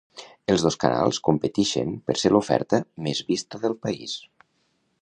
Els dos canals competixen per ser l'oferta més vista del país.